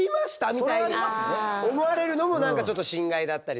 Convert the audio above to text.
みたいな思われるのも何かちょっと心外だったりするので。